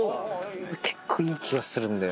結構いい気がするんだよな。